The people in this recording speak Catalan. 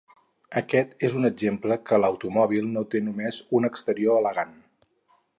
Aquest és un exemple que l'automòbil no té només un exterior elegant.